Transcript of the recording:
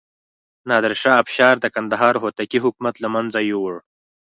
نادر شاه افشار د کندهار هوتکي حکومت له منځه یووړ.